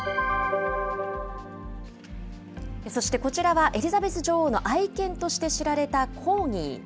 そしてこちらは、エリザベス女王の愛犬として知られたコーギー。